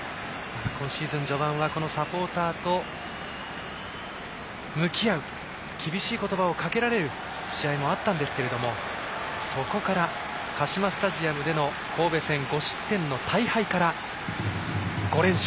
今シーズン序盤はサポーターと向き合う厳しい言葉をかけられる試合もあったんですけどそこからカシマスタジアムでの神戸戦５失点の大敗から５連勝。